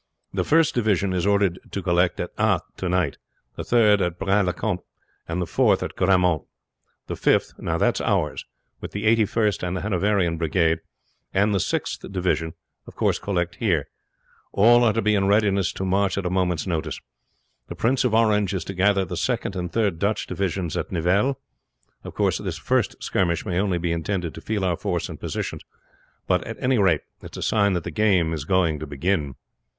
The first division is ordered to collect at Ath to night, the third at Braine le Comte, and the fourth at Grammont. The fifth that is ours with the Eighty first and the Hanoverian brigade, and the sixth division, of course collect here. All are to be in readiness to march at a moment's notice. The Prince of Orange is to gather the second and third Dutch divisions at Nivelles. Of course this first skirmish may only be intended to feel our force and positions; but at any rate, it is a sign that the game is going to begin."